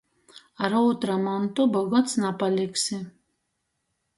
Ar ūtra montu bogots napaliksi.